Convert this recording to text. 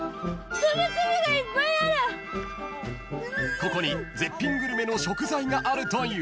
［ここに絶品グルメの食材があるという］